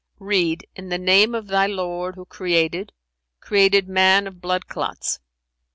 Read, in the name of thy Lord who created;—created man of blood clots."